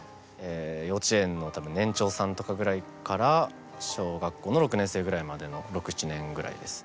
幼稚園の年長さんとかぐらいから小学校の６年生ぐらいまでの６７年ぐらいです。